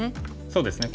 そうですね。